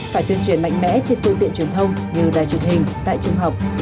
phải tuyên truyền mạnh mẽ trên phương tiện truyền thông như đài truyền hình đại trường học